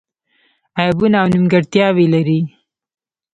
عیبونه او نیمګړتیاوې لري.